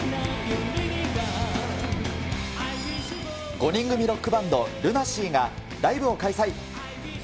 ５人組ロックバンド、ＬＵＮＡＳＥＡがライブを開催。